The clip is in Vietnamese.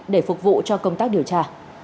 để phục vụ cho công tác điều tra